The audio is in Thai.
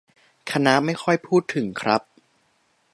คณะไม่ค่อยพูดถึงครับ